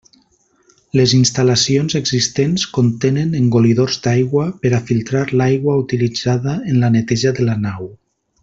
Les instal·lacions existents contenen engolidors d'aigua per a filtrar l'aigua utilitzada en la neteja de la nau.